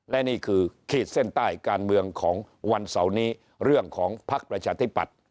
และนี่คือขีดเส้นใต้การเมืองของวันเสาร์นี้เรื่องของภักดิ์ประชาธิปัตย์